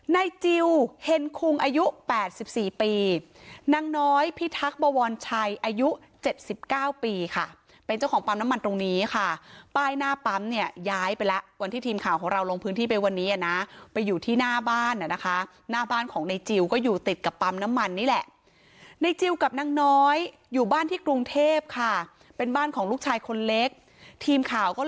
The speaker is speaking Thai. จิลเฮ็นคุงอายุ๘๔ปีนางน้อยพิทักษวรชัยอายุ๗๙ปีค่ะเป็นเจ้าของปั๊มน้ำมันตรงนี้ค่ะป้ายหน้าปั๊มเนี่ยย้ายไปแล้ววันที่ทีมข่าวของเราลงพื้นที่ไปวันนี้อ่ะนะไปอยู่ที่หน้าบ้านนะคะหน้าบ้านของในจิลก็อยู่ติดกับปั๊มน้ำมันนี่แหละในจิลกับนางน้อยอยู่บ้านที่กรุงเทพค่ะเป็นบ้านของลูกชายคนเล็กทีมข่าวก็